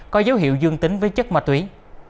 có dấu hiệu dương tính với chất ma tuyến